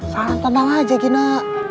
santan aja gina